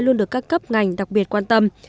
luôn được các cấp ngành đặc biệt quan tâm